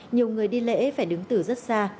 nhiều người đi lễ phải đứng tử rất xa